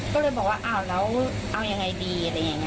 ก็เลยบอกว่าอ้าวแล้วเอายังไงดีอะไรอย่างนี้